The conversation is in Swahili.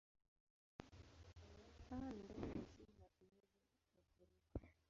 Hawa ni ndege wasio na uwezo wa kuruka.